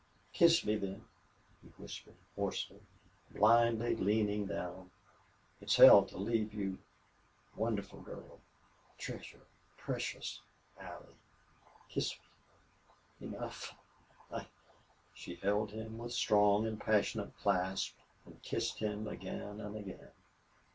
"Kiss me, then," he whispered, hoarsely, blindly leaning down. "It's hell to leave you!... Wonderful girl treasure precious Allie!... Kiss me enough!... I " She held him with strong and passionate clasp and kissed him again and again.